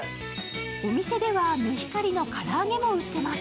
お店ではメヒカリの唐揚げも売っています。